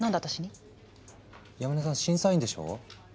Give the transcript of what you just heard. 山根さん審査員でしょ？